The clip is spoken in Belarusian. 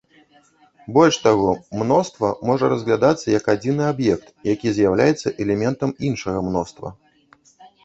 Больш таго, мноства можа разглядацца як адзіны аб'ект, які з'яўляецца элементам іншага мноства.